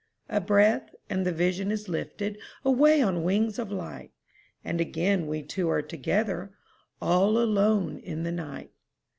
A breath, and the vision is lifted Away on wings of light, And again we two are together, All alone in the night.